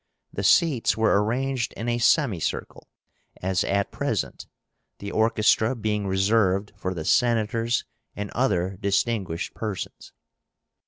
The seats were arranged in a semicircle, as at present, the orchestra being reserved for the Senators and other distinguished persons.